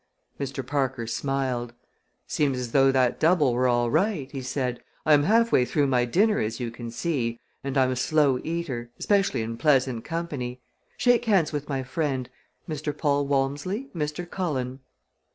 Mr. Parker smiled. "Seems as though that double were all right," he said. "I am halfway through my dinner, as you can see, and I'm a slow eater especially in pleasant company. Shake hands with my friend Mr. Paul Walmsley, Mr. Cullen."